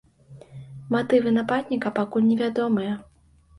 Матывы нападніка пакуль не вядомыя.